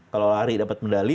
kalau lari dapat mendali